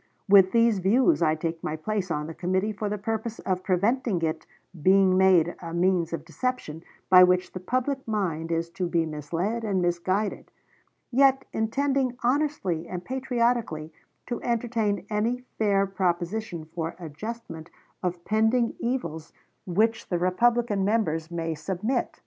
With these views I take my place on the committee for the purpose of preventing it being made a means of deception by which the public mind is to be misled and misguided; yet intending honestly and patriotically to entertain any fair proposition for adjustment of pending evils which the Republican members may submit."